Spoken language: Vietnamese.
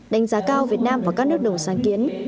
đánh giá cao việt nam và các nước đầu sáng kiến